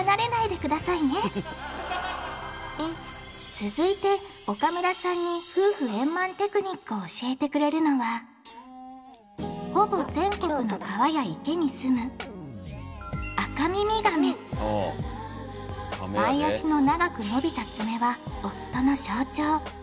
続いて岡村さんに夫婦円満テクニックを教えてくれるのはほぼ全国の川や池に住む前足の長く伸びた爪は夫の象徴。